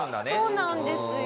そうなんですよ。